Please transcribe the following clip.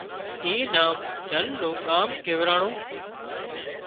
اي نام ڌن نُون ڳان ڪيوَراڻون